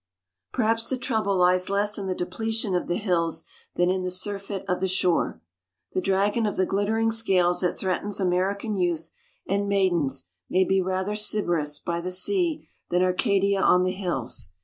Perhaps the trouble lies less in the depletion of the hills than in the surfeit of the shore. The dragon of the glittering scales that threatens American youth and maidens may be rather Sybaris by the sea than Arcadia on the hills.